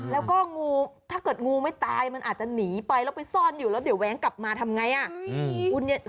แล้วก็งูถ้าเกิดงูไม่ตายมันอาจจะหนีไปแล้วไปซ่อนอยู่แล้วเดี๋ยวแว้งกลับมาทำไง